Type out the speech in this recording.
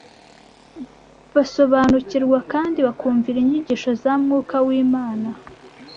basobanukirwa kandi bakumvira inyigisho za Mwuka w’Imana